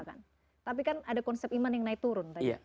tapi kan ada konsep iman yang naik turun tadi